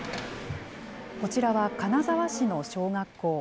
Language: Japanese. こちらは金沢市の小学校。